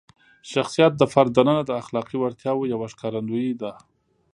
شخصیت د فرد دننه د اخلاقي وړتیاوو یوه ښکارندویي ده.